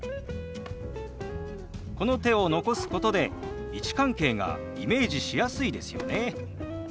この手を残すことで位置関係がイメージしやすいですよね。